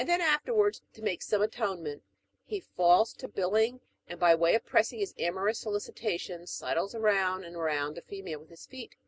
then afterwards, to make some atonement, he falls to bill ing, and by way of pressing his amorous solicitations, sidles round and round the female with his feet.